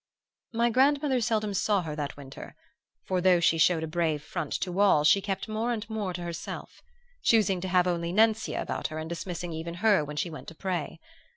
"My grandmother seldom saw her that winter, for though she showed a brave front to all she kept more and more to herself, choosing to have only Nencia about her and dismissing even her when she went to pray.